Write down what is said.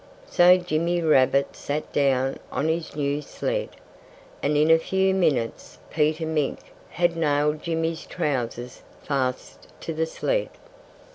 So Jimmy Rabbit sat down on his new sled. And in a few minutes Peter Mink had nailed Jimmy's trousers fast to the sled.